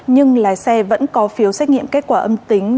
nhưng lái xe vẫn có phiếu xét nghiệm kết quả âm tính